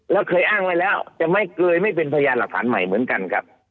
แล้วเคยอ้างไว้แล้วจะไม่เกยไม่เป็นพยานหลักฐานใหม่เหมือนกันครับ